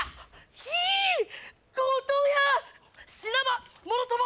ひいっ強盗や死なばもろとも